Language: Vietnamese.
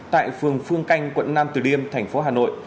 tại phương phương canh quận nam từ điêm thành phố hà nội